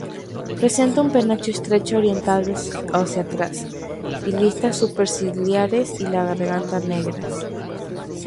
Presenta un penacho estrecho orientado hacia atrás, y listas superciliares y la garganta negras.